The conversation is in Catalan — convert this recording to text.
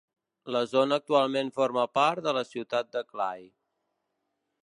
La zona actualment forma part de la ciutat de Clay.